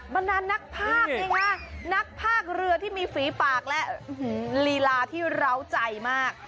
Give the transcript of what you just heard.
บรรดานนักภาคไงคะนักภาคเรือที่มีฝีปากและลีลาที่เหล้าใจมาก